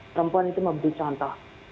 perempuan itu membantu contoh